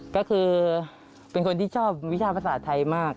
ก็คือเป็นคนที่ชอบวิชาภาษาไทยมาก